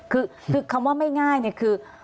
คือคำว่าไม่ง่ายเนี่ยคือ